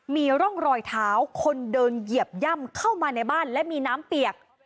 มีร่องรอยเท้าคนเดินเหยียบย่ำเข้ามาในบ้านและมีน้ำเปียก